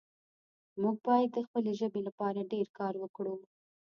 موږ باید د خپلې ژبې لپاره ډېر کار وکړو